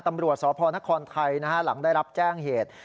ตำรวจสพนครไทยหลังได้รับแจ้งเหตุ